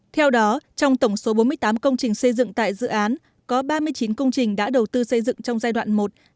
theo đó trong tổng số bốn mươi tám công trình xây dựng tại dự án có ba mươi chín công trình đã đầu tư xây dựng trong giai đoạn một hai nghìn hai hai nghìn bảy